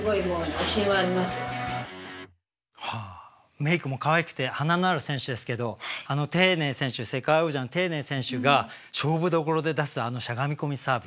メークもかわいくて花のある選手ですけど世界王者の丁寧選手が勝負どころで出すあのしゃがみ込みサーブ。